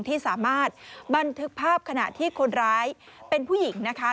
ที่สามารถบันทึกภาพขณะที่คนร้ายเป็นผู้หญิงนะคะ